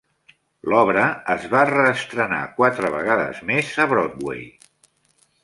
L'obra es va reestrenar quatre vegades més a Broadway.